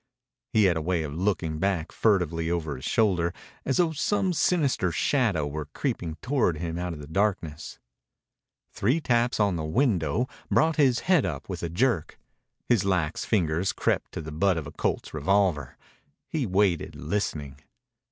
He had a way of looking back furtively over his shoulder, as though some sinister shadow were creeping toward him out of the darkness. Three taps on the window brought his head up with a jerk. His lax fingers crept to the butt of a Colt's revolver. He waited, listening.